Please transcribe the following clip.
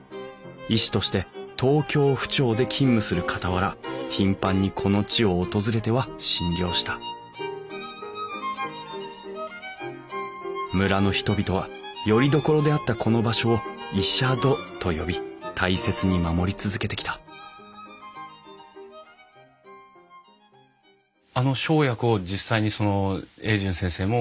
医師として東京府庁で勤務するかたわら頻繁にこの地を訪れては診療した村の人々はよりどころであったこの場所を医者殿と呼び大切に守り続けてきたあの生薬を実際に榮順先生も末雄先生もこうやって。